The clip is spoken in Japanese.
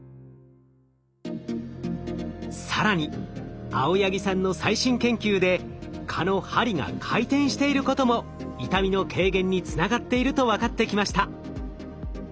更に青柳さんの最新研究で蚊の針が回転していることも痛みの軽減につながっていると分かってきました。